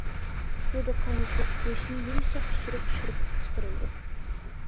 سۇدا قاينىتىپ، گۆشنى يۇمشاق پىشۇرۇپ، شورپىسى چىقىرىلىدۇ.